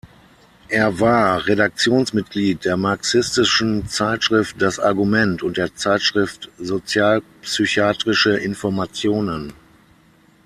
Er war Redaktionsmitglied der marxistischen Zeitschrift "Das Argument" und der Zeitschrift "Sozialpsychiatrische Informationen".